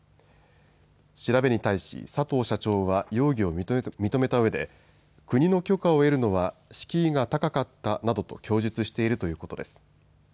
調べに対し佐藤社長は容疑を認めたうえで国の許可を得るのは敷居が高かったなどと供述しているということです。